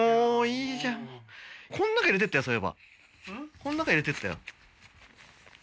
この中に入れていったよ。